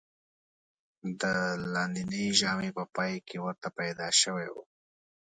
د لاندېنۍ ژامې په پای کې ورته پیدا شوی و.